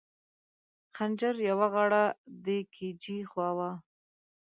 د خنجر یوه غاړه د کي جي بي خوا وه.